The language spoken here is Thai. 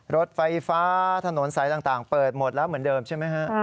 รถไฟฟ้าถนนสายต่างเปิดหมดแล้วเหมือนเดิมใช่ไหมฮะ